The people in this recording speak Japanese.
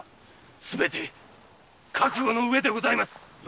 すべて覚悟の上でございます。